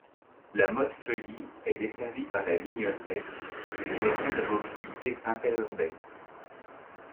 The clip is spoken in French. La Motte-Feuilly est desservie par la ligne F du Réseau de mobilité interurbaine.